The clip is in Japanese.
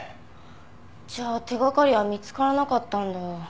じゃあ手掛かりは見つからなかったんだ。